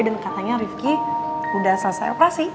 dan katanya rifki udah selesai operasi